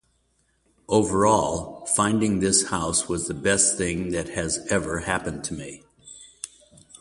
Overall, finding this house was the best thing that has ever happened to me.